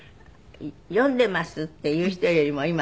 読んでますっていう人よりも今。